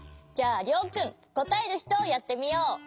じゃありょうくんこたえるひとをやってみよう。